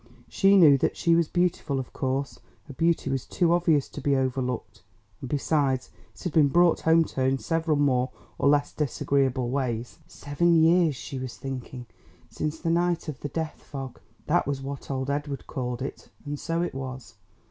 She knew that she was beautiful of course; her beauty was too obvious to be overlooked, and besides it had been brought home to her in several more or less disagreeable ways. "Seven years," she was thinking, "since the night of the 'death fog;' that was what old Edward called it, and so it was.